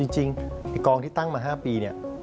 จริงกองที่ตั้งมา๕ปี